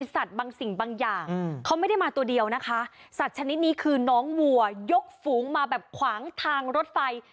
สัตว์บางสิ่งบางอย่างเขาไม่ได้มาตัวเดียวนะคะสัตว์ชนิดนี้คือน้องวัวยกฝูงมาแบบขวางทางรถไฟ